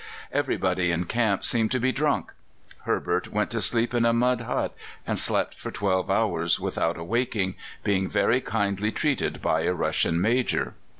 Everybody in camp seemed to be drunk. Herbert went to sleep in a mud hut, and slept for twelve hours without awaking, being very kindly treated by a Russian Major.